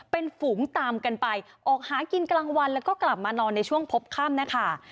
เป็นฝูงตามกันไปออกหากินกลางวันแล้วก็กลับมานอนในช่วงพบค่ำนะคะ